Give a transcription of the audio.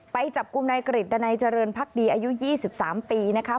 ไปจับกลุ่มนายกริจดันัยเจริญพักดีอายุ๒๓ปีนะคะ